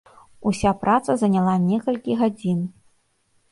Уся праца заняла некалькі гадзін.